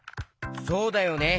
そうだよね。